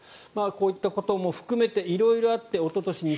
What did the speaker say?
こういったことも含めて色々あっておととし